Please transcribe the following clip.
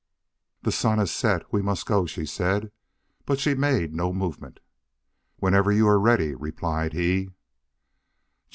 "The sun has set. We must go," she said. But she made no movement. "Whenever you are ready," replied he.